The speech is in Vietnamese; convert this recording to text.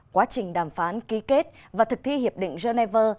quá trình đàm phán ký kết và thực thi hiệp định geneva